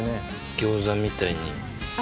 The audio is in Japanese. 餃子みたいに。